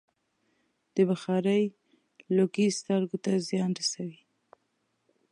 د بخارۍ لوګی سترګو ته زیان رسوي.